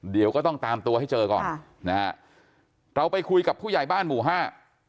เดี๋ยวก็ต้องตามตัวให้เจอก่อนค่ะนะฮะเราไปคุยกับผู้ใหญ่บ้านหมู่ห้า